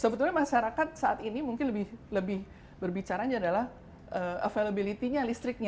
sebetulnya masyarakat saat ini mungkin lebih berbicaranya adalah availability nya listriknya